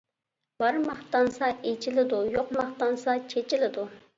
بار ماختانسا ئېچىلىدۇ، يوق ماختانسا چېچىلىدۇ.